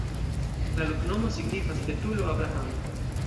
La loknomo signifas: betulo-Abrahamo.